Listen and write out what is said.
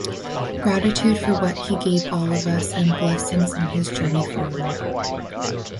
Gratitude for what he gave all of us and blessings on his journey forward.